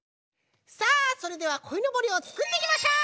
さあそれではこいのぼりをつくっていきましょう！